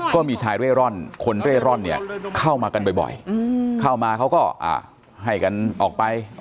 ก็มีชายเร่ร่อนคนเร่ร่อนเนี่ยเข้ามากันบ่อยเข้ามาเขาก็ให้กันออกไป